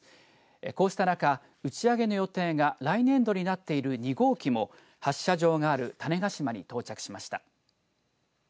こうした中、打ち上げの予定が来年度になっている２号機も発射場がある種子島に到着しました。